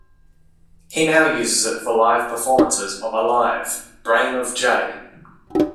He now uses it for live performances of "Alive", "Brain of J.